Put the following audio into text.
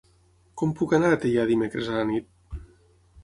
Com puc anar a Teià dimecres a la nit?